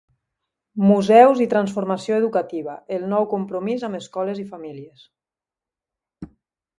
Museus i transformació educativa: el nou compromís amb escoles i famílies.